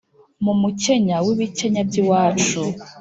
mu mukenya w’ibikenya by’iwacu,